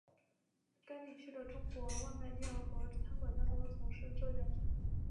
该地区的中国外卖店和餐馆大多从事浙江菜。